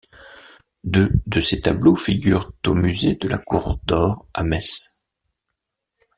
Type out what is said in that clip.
Deux de ses tableaux figurent au musée de la Cour d'Or à Metz.